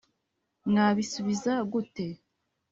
Mwabisubiza gute